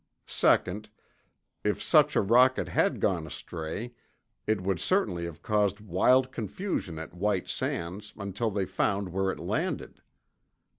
Second, if such a rocket had gone astray, it would certainly have caused wild confusion at White Sands until they found where it landed.